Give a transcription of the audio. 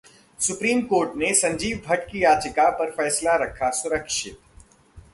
supreme Court ने संजीव भट्ट की याचिका पर फैसला रखा सुरक्षित